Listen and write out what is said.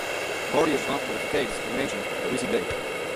Vardy is responsible for the facades of the mansion that we see today.